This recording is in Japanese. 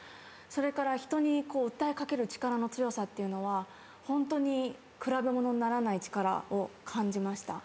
それから人に訴えかける力の強さっていうのはホントに比べものにならない力を感じました。